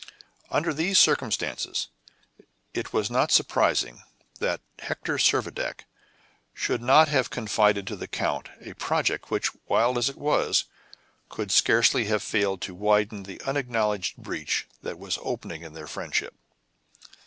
Under these circumstances, it was not surprising that Hector Servadac should not have confided to the count a project which, wild as it was, could scarcely have failed to widen the unacknowledged breach that was opening in their friendship.